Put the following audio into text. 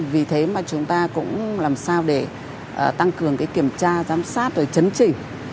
vì thế mà chúng ta cũng làm sao để tăng cường kiểm tra giám sát và chấn chỉ